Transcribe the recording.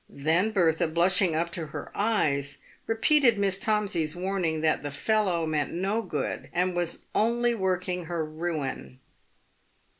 Then Bertha, blushing up to her eyes, repeated Miss Tomsey's warning that "the fellow" meant no good, and was only working her ruin.